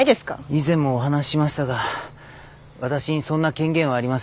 以前もお話ししましたが私にそんな権限はありません。